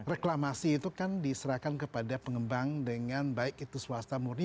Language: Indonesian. reklamasi itu kan diserahkan kepada pengembang dengan baik itu swasta murni